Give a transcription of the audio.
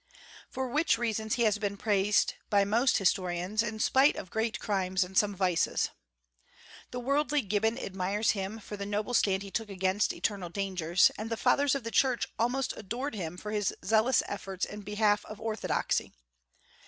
For which reasons he has been praised by most historians, in spite of great crimes and some vices. The worldly Gibbon admires him for the noble stand he took against external dangers, and the Fathers of the Church almost adored him for his zealous efforts in behalf of orthodoxy.